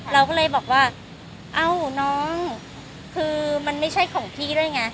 เราก็เลยบอกว่าเอ้าน้องคือมันไม่ใช่ของพี่ด้วยไง